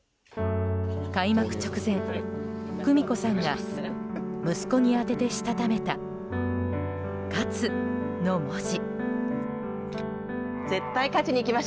開幕直前、久美子さんが息子に宛ててしたためた「勝」の文字。